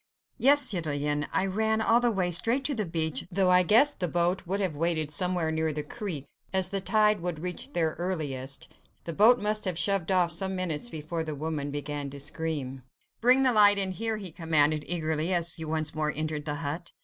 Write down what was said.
"Yes, citoyen! I ran all the way, straight to the beach, though I guessed the boat would have waited somewhere near the creek, as the tide would reach there earliest. The boat must have shoved off some minutes before the woman began to scream." Some minutes before the woman began to scream! Then Chauvelin's hopes had not deceived him.